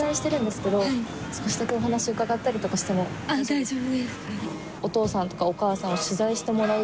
大丈夫です。